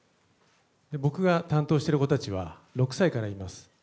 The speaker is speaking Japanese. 僕が担当している子たちは６歳からいます。